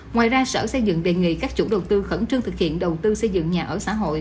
ngoài ra sở xây dựng đề nghị các chủ đầu tư khẩn trương thực hiện đầu tư xây dựng nhà ở xã hội